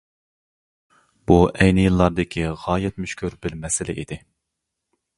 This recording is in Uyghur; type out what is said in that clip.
بۇ ئەينى يىللاردىكى غايەت مۈشكۈل بىر مەسىلە ئىدى.